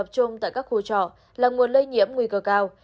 công tại các khu trọ là nguồn lây nhiễm nguy cơ cao